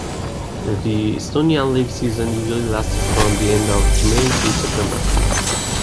The Estonian league season usually lasted from the end of May to September.